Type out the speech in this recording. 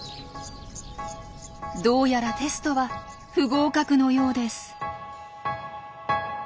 どうやらテストは不合格のようです。